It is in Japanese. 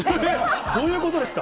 どういうことですか？